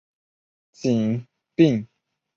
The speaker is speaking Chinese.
并邀请好莱坞技术团队参与特效制作。